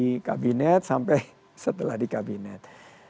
di kabinet sampai setelah di kabinet